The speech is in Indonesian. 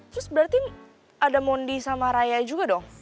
terus berarti ada mondi sama raya juga dong